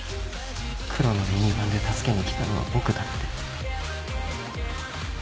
黒のミニバンで助けに来たのは僕だって